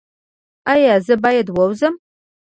ایا زه باید ووځم؟